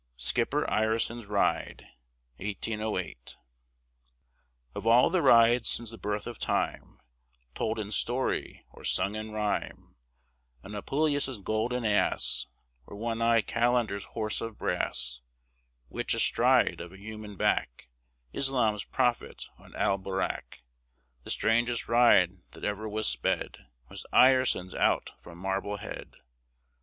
SKIPPER IRESON'S RIDE Of all the rides since the birth of time, Told in story or sung in rhyme, On Apuleius's Golden Ass, Or one eyed Calender's horse of brass, Witch astride of a human back, Islam's prophet on Al Borák, The strangest ride that ever was sped Was Ireson's out from Marblehead!